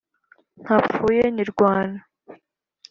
ntapfuye nyirwana